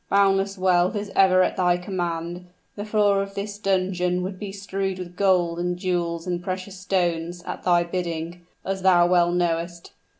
Boundless wealth is ever at thy command; the floor of this dungeon would be strewed with gold, and jewels, and precious stones, at thy bidding as thou well knowest!